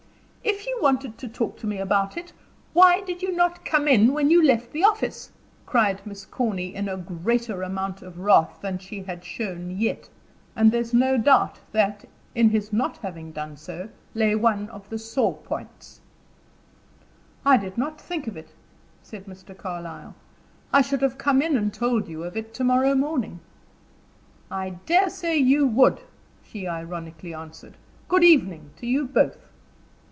"If you wanted to talk to me about it, why did you not come in when you left the office?" cried Miss Corny, in a greater amount of wrath than she had shown yet. And there's no doubt that, in his not having done so, lay one of the sore points. "I did not think of it," said Mr. Carlyle. "I should have come in and told you of it to morrow morning." "I dare say you would," she ironically answered. "Good evening to you both."